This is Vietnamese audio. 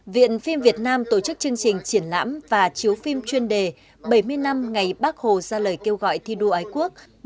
viện phim việt nam tổ chức chương trình triển lãm và chiếu phim chuyên đề bảy mươi năm ngày bác hồ ra lời kêu gọi thi đua ái quốc